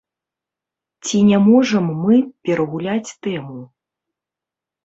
Ці не можам мы перагуляць тэму?